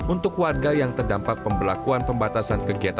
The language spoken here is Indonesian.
untuk warga yang terdampak pembelakuan pembatasan kegiatan